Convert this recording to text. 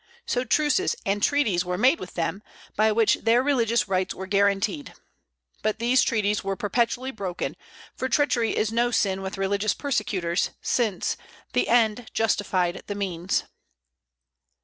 So truces and treaties were made with them, by which their religious rights were guaranteed. But these treaties were perpetually broken, for treachery is no sin with religious persecutors, since "the end justified the means."